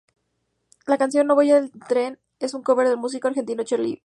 La canción "No voy en tren" es un cover del músico argentino Charly García.